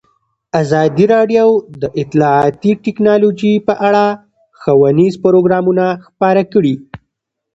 ازادي راډیو د اطلاعاتی تکنالوژي په اړه ښوونیز پروګرامونه خپاره کړي.